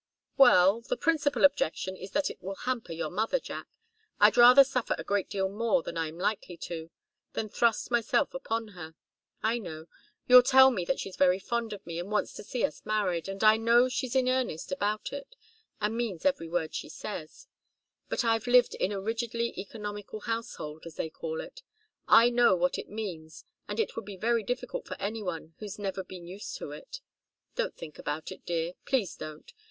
"Well, the principal objection is that it will hamper your mother, Jack. I'd rather suffer a great deal more than I'm likely to, than thrust myself upon her. I know you'll tell me that she's very fond of me and wants to see us married, and I know she's in earnest about it and means every word she says. But I've lived in a rigidly economical household, as they call it. I know what it means, and it would be very difficult for any one who's never been used to it. Don't think about it, dear. Please don't.